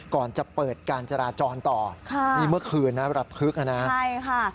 ก่อนจะเปิดการจราจรต่อค่ะนี่เมื่อคืนนะระทึกนะใช่ค่ะ